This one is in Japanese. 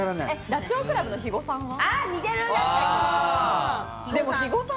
ダチョウ倶楽部の肥後さんは。